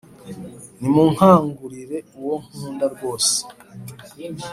ntimunkangurire uwo nkunda rwose